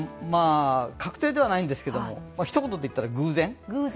確定ではないんですけども、一言で言ったら偶然。